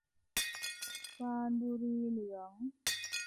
บานบุรีเหลือง